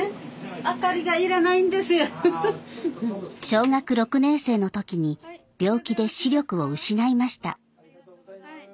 小学６年生の時に病気で視力を失いました。